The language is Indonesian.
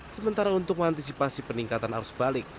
sementara untuk mengantisipasi peningkatan arus balik